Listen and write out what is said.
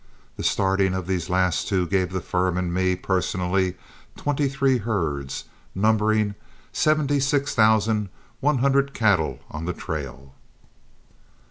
The starting of these last two gave the firm and me personally twenty three herds, numbering seventy six thousand one hundred cattle on the trail.